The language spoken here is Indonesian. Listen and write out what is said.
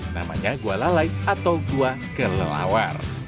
namanya gua lalai atau gua kelelawar